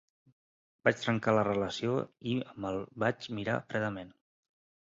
Vaig trencar la relació i em el vaig mirar fredament.